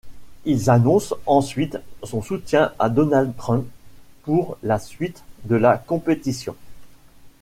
Il annonce ensuite son soutien à Donald Trump pour la suite de la compétition.